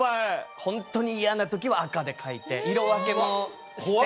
ホントに嫌な時は赤で書いて色分けもして。